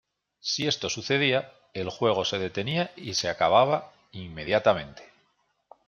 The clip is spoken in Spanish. Si esto sucedía, el juego se detenía y se acababa inmediatamente.